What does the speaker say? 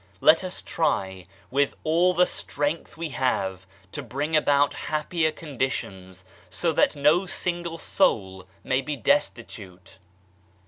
Let us try with all the strength we have to bring about happier conditions, so that no single soul may be des titute.